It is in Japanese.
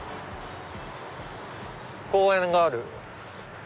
公園がある。